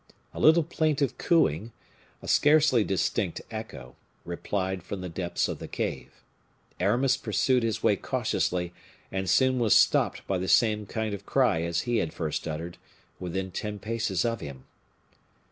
A little plaintive cooing, a scarcely distinct echo, replied from the depths of the cave. Aramis pursued his way cautiously, and soon was stopped by the same kind of cry as he had first uttered, within ten paces of him.